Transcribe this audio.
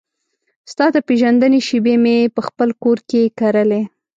ستا د پیژندنې شیبې مې پخپل کور کې کرلې